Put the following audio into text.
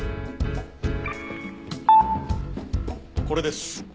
これです。